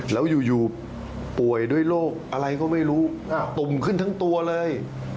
แล้วอยู่ป่วยด้วยโรคอะไรก็ไม่รู้ตุ่มขึ้นทั้งตัวเลย